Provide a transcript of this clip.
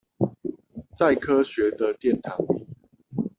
在科學的殿堂裡